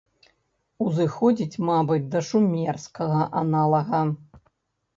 Узыходзіць, мабыць, да шумерскага аналага.